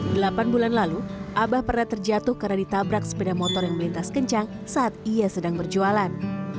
delapan bulan lalu abah pernah terjatuh karena ditabrak sepeda motor yang melintas kencang saat ia sedang berjualan